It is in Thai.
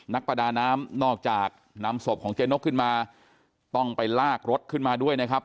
นักประดาน้ำนอกจากนำศพของเจ๊นกขึ้นมาต้องไปลากรถขึ้นมาด้วยนะครับ